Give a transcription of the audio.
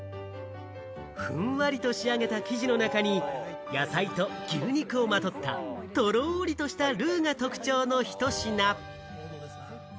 ふんわりと仕上げた生地の中に野菜と牛肉をまとった、とろりとしたルーが特徴のひと品。